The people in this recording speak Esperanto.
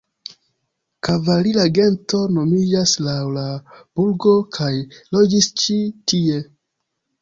Kavalira gento nomiĝas laŭ la burgo kaj loĝis ĉi-tie.